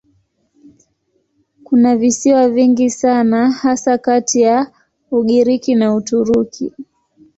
Kuna visiwa vingi sana hasa kati ya Ugiriki na Uturuki.